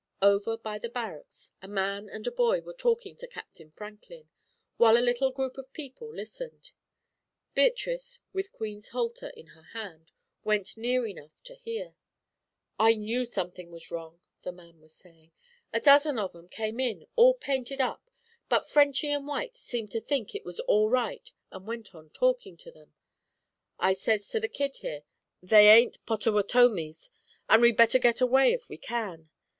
Over by the barracks a man and a boy were talking to Captain Franklin, while a little group of people listened. Beatrice, with Queen's halter in her hand, went near enough to hear. "I knew something was wrong," the man was saying. "A dozen of 'em came in all painted up, but Frenchy and White seemed to think it was all right and went on talking to them. I says to the kid here, 'They ain't Pottawattomies, and we'd better get away if we can.